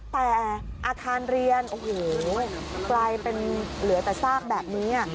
แต่อาคารเรียนโอ้โหกลายเป็นเหลือแต่ซากแบบนี้